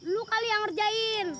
lu kali yang ngerjain